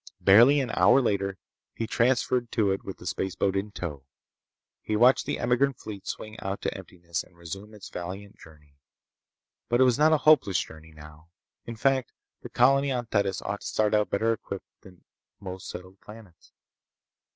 Barely an hour later he transferred to it with the spaceboat in tow. He watched the emigrant fleet swing out to emptiness and resume its valiant journey. But it was not a hopeless journey, now. In fact, the colony on Thetis ought to start out better equipped than most settled planets.